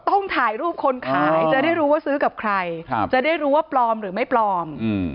ต้องถ่ายรูปคนขายจะได้รู้ว่าซื้อกับใครจะได้รู้ว่าปลอมหรือไม่ปลอม